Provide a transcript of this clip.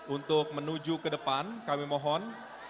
untuk menuju ke depan kami mohon